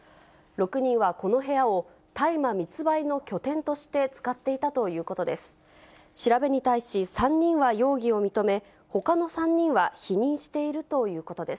６人はこの部屋を、大麻密売の拠点として使っていたということです。